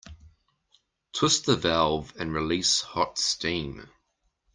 Twist the valve and release hot steam.